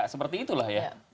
seperti itulah ya